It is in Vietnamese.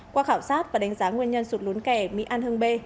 qua khảo sát và đánh giá nguyên nhân sụt lún kè mỹ an hưng bê